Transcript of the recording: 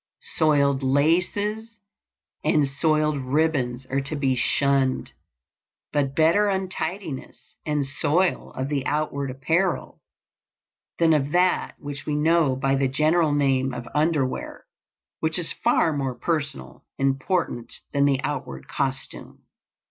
Soiled laces and soiled ribbons are to be shunned; but better untidiness and soil of the outward apparel than of that which we know by the general name of underwear, which is far more personal and important than the outward costume.